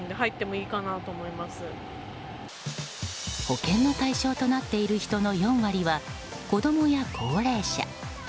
保険の対象となっている人の４割は子供や高齢者。